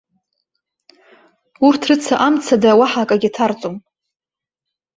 Урҭ рыца амца ада уаҳа акагьы ҭарҵом.